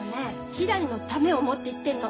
ひらりのためを思って言ってんの。